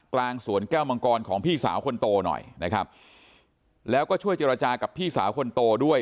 กลางสวนแก้วมังกรของพี่สาวคนโตหน่อยนะครับแล้วก็ช่วยเจรจากับพี่สาวคนโตด้วย